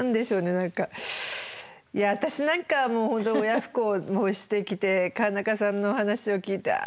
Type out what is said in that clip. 何かいや私なんかはもう本当親不孝もしてきて川中さんのお話を聞いてああ